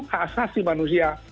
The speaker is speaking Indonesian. hak saksi manusia